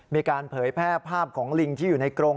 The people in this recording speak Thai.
เผยแพร่ภาพของลิงที่อยู่ในกรง